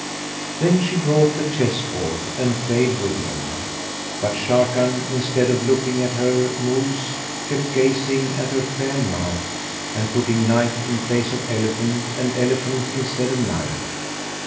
'" Then she brought the chess board and played with him; but Sharrkan, instead of looking at her moves, kept gazing at her fair mouth, and putting knight in place of elephant and elephant[FN#198] in stead of knight.